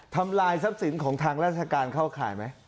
ทำลายทรัพย์สินทรัพย์ห์ของทางราชการข้าวข่ายไหม